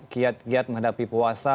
kiat kiat menghadapi puasa